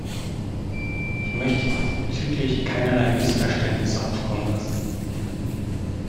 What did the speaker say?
Ich möchte diesbezüglich keinerlei Missverständnisse aufkommen lassen.